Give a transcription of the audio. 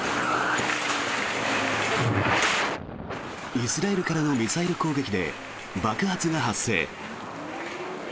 イスラエルからのミサイル攻撃で爆発が発生。